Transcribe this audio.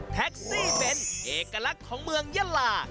แท็กซี่เป็นเอกลักษณ์ของเมืองยาลา